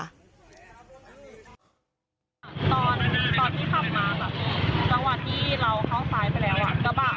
ตอนตอนที่ขับมาแบบจังหวะที่เราเข้าซ้ายไปแล้วอ่ะกระบะมันมาทั้งขวาเหมือนกัน